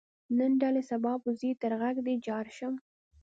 نن دلې سبا به ځې تر غږ دې جار شم.